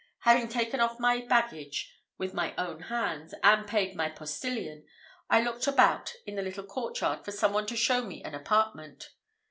Having taken off my baggage with my own hands, and paid my postilion, I looked about in the little courtyard for some one to show me an apartment.